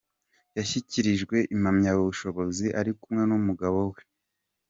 Yashyikirijwe impamyabushobozi ari kumwe n’umugabo we.